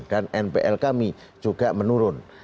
dan npl kami juga menurun